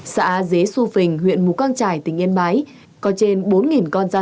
xã dế su phình huyện mù căng trải tỉnh yên bái có trên bốn con gia súc và gần một mươi con gia cầm